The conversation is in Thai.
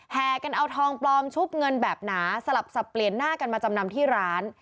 แห่กันเอาทองปลอมชุบเงินแบบหนาสลับสับเปลี่ยนหน้ากันมาจำนำที่ร้าน